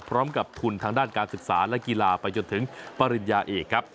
พร้อมกับทุนทางด้านการศึกษาและกีฬาไปจนถึงปริญญาเอกครับ